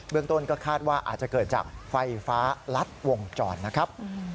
เรื่องต้นก็คาดว่าอาจจะเกิดจากไฟฟ้ารัดวงจรนะครับ